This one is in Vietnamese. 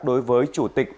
đối với chủ tịch ubnd